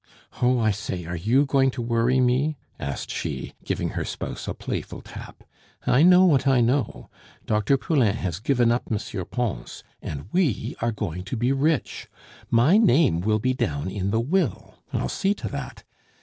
"Oh, I say, are you going to worry me?" asked she, giving her spouse a playful tap. "I know what I know! Dr. Poulain has given up M. Pons. And we are going to be rich! My name will be down in the will.... I'll see to that.